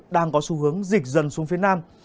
đang có xu hướng dịch dần xuống phía nam